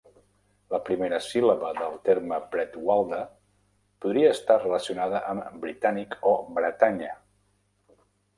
La primera síl·laba del terme "bretwalda" podria estar relacionada amb "britànic" o "Bretanya".